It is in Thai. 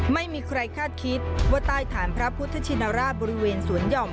ไม่มีใครคาดคิดว่าใต้ฐานพระพุทธชินราชบริเวณสวนหย่อม